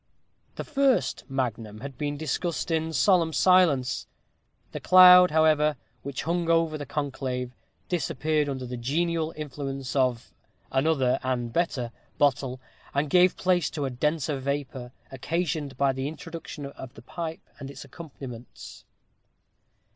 The first magnum had been discussed in solemn silence; the cloud, however, which hung over the conclave, disappeared under the genial influence of "another and a better" bottle, and gave place to a denser vapor, occasioned by the introduction of the pipe and its accompaniments.